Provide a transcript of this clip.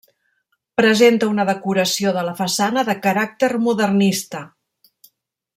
Presenta una decoració de la façana de caràcter modernista.